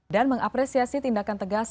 dan mengapresiasi tindakan tegas